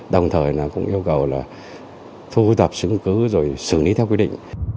đồng thời cũng yêu cầu thu tập xứng cứu rồi xử lý theo quy định